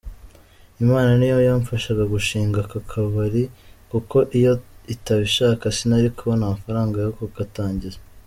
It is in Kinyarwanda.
Imana niyo yamfashije gushinga aka kabari, kuko iyo itabishaka sinari kubona amafaranga yo kugatangiza,….